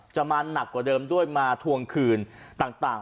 จะมาหนักกว่าเดิมด้วยมาทวงคืนต่าง